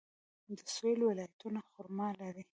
د سویل ولایتونه خرما لري.